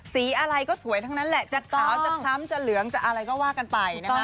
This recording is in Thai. สีอะไรก็สวยทั้งนั้นแหละจะขาวจะคล้ำจะเหลืองจะอะไรก็ว่ากันไปนะคะ